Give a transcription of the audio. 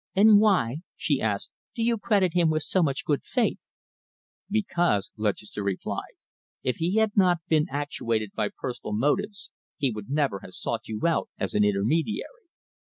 "And why," she asked, "do you credit him with so much good faith?" "Because," Lutchester replied, "if he had not been actuated by personal motives, he would never have sought you out as an intermediary.